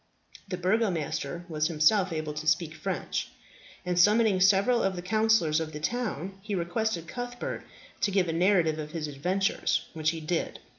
The Burgomaster was himself able to speak French, and summoning several of the councillors of the town, he requested Cuthbert to give a narrative of his adventures; which he did.